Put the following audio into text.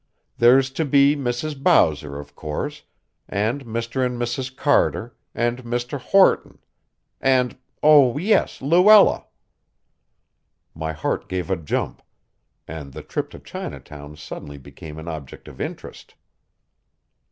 There's to be Mrs. Bowser, of course, and Mr. and Mrs. Carter, and Mr. Horton, and oh, yes Luella." My heart gave a jump, and the trip to Chinatown suddenly became an object of interest.